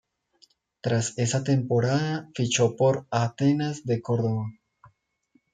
Tras esa temporada, fichó por Atenas de Córdoba.